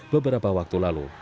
beberapa waktu lalu